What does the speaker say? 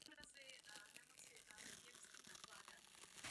Oba se tajně scházeli v místech současné kaple.